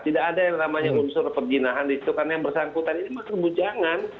tidak ada yang namanya unsur perjinahan di situ karena yang bersangkutan ini masuk bujangan